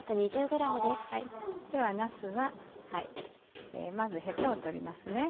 ではなすはまずヘタを取りますね。